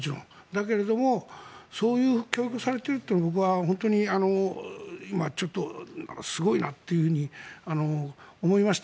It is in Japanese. だけれどもそういう教育をされていることは僕は本当に今ちょっとすごいなっていうふうに思いました。